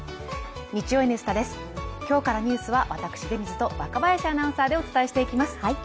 今日からニュースは私、出水と若林アナウンサーでお伝えしていきます。